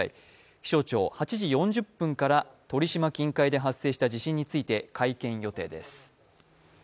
気象庁、８時４０分から鳥島近海で発生した地震について会見予定です。